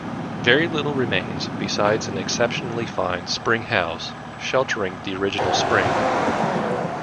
Very little remains besides an exceptionally fine spring house sheltering the original spring.